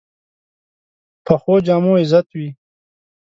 پخو جامو عزت وي